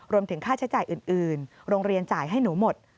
รวมถึงค่าใช้จ่ายอื่นโรงเรียนจ่ายให้หนูหมด